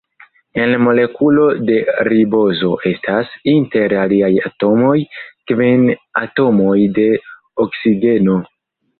En molekulo de ribozo estas, inter aliaj atomoj, kvin atomoj de oksigeno.